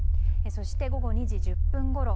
そして午後２時１０分ごろ。